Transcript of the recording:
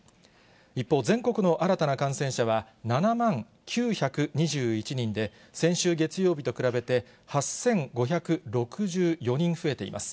一方、全国の新たな感染者は７万９２１人で、先週月曜日と比べて８５６４人増えています。